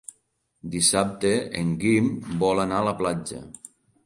Dissabte en Guim vol anar a la platja.